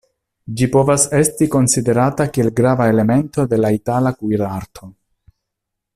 Ĝi povas esti konsiderata kiel grava elemento de la Itala kuirarto.